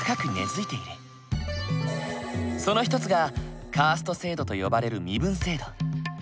その一つがカースト制度と呼ばれる身分制度。